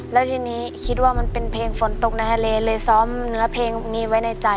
แล้วทีนี้คิดว่ามันเป็นเพลงฝนตกในทะเลเลยซ้อมเนื้อเพลงนี้ไว้ในใจ